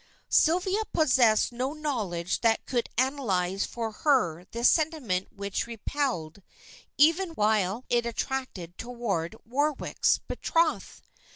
Sylvia possessed no knowledge that could analyze for her the sentiment which repelled, even while it attracted her toward Warwick's betrothed.